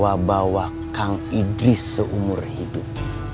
yang dibawa bawa kang idris seumur hidup